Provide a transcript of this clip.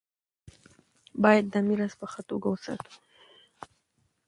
باید دا میراث په ښه توګه وساتو.